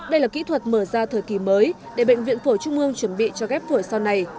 đây là kỹ thuật mở ra thời kỳ mới để bệnh viện phổi trung ương chuẩn bị cho ghép phổi sau này